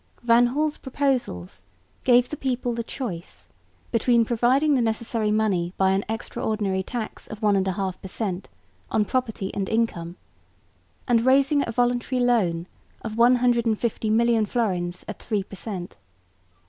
Van Hall's proposals gave the people the choice between providing the necessary money by an extraordinary tax of one and a half per cent, on property and income, and raising a voluntary loan of 150 million florins at 3 per cent.